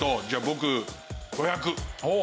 僕５００。